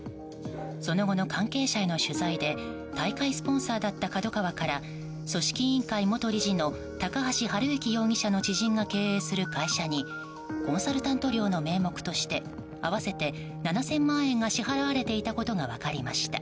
その後の関係者への取材で大会スポンサーだったＫＡＤＯＫＡＷＡから組織委員会元理事の高橋治之容疑者の知人が経営する会社にコンサルタント料の名目として合わせて７０００万円が支払われていたことが分かりました。